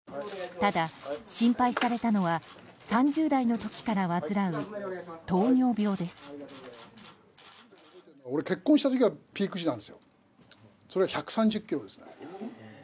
ただ、心配されたのは３０代の時から患う糖尿病です。